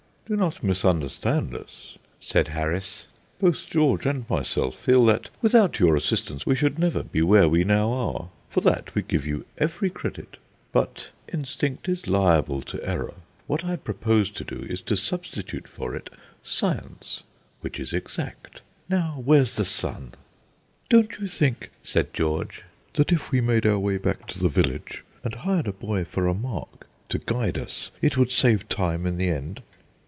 "Do not misunderstand us," said Harris; "both George and myself feel that without your assistance we should never be where we now are. For that we give you every credit. But instinct is liable to error. What I propose to do is to substitute for it Science, which is exact. Now, where's the sun?" "Don't you think," said George, "that if we made our way back to the village, and hired a boy for a mark to guide us, it would save time in the end?"